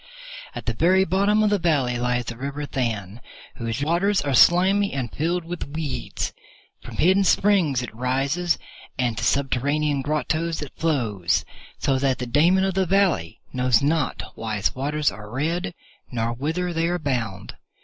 At the very bottom of the valley lies the river Than, whose waters are slimy and filled with weeds. From hidden springs it rises, and to subterranean grottoes it flows, so that the Daemon of the Valley knows not why its waters are red, nor whither they are bound.